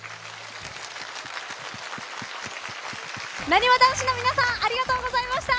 なにわ男子の皆さんありがとうございました。